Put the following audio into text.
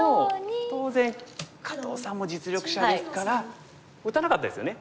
いやでも当然加藤さんも実力者ですから打たなかったですよね。